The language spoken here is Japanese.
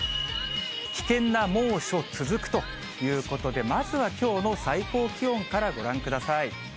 危険な猛暑続くということで、まずはきょうの最高気温からご覧ください。